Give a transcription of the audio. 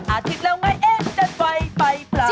อาทิตย์แล้วไงเอนจนไว้ไปปะ